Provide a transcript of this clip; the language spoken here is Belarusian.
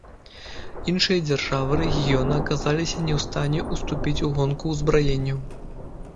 Іншыя дзяржавы рэгіёна аказаліся не ў стане ўступіць у гонку ўзбраенняў.